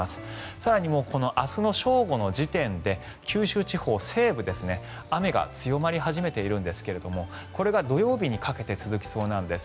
更に明日の正午の時点で九州地方西部雨が強まり始めているんですがこれが土曜日にかけて続きそうなんです。